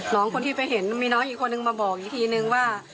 น้องคนที่ไปเห็นมีน้องอีกคนนึงมาบอกอีกทีนึงว่า